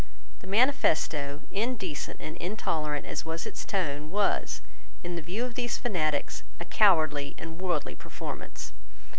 The manifesto, indecent and intolerant as was its tone, was, in the view of these fanatics, a cowardly and worldly performance.